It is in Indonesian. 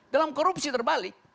dalam korupsi terbalik